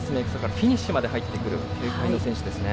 フィニッシュまで入ってくる警戒の選手ですね。